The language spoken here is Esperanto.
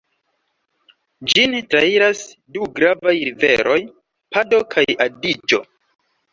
Ĝin trairas du gravaj riveroj, Pado kaj Adiĝo.